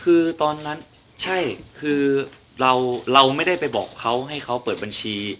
คือตอนนั้นใช่คือเราไม่ได้ไปบอกเขาให้เขาเปิดบัญชี